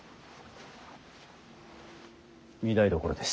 御台所です。